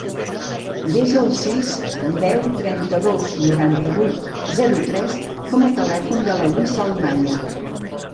Desa el sis, deu, trenta-dos, noranta-vuit, zero, tres com a telèfon de la Wissal Maya.